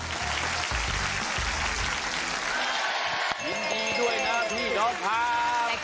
ยินดีด้วยนะพี่น้องครับ